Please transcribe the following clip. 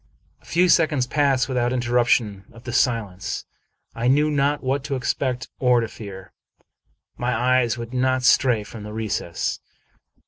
A few seconds passed without interruption of the silence. I knew not what to expect or to fear. My eyes would not stray from the recess.